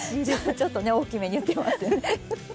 ちょっとね大きめに言ってますね。